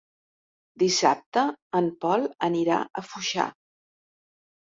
Dissabte en Pol anirà a Foixà.